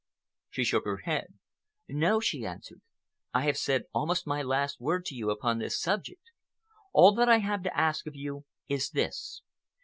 She shook her head. "No," she answered. "I have said almost my last word to you upon this subject. All that I have to ask of you is this.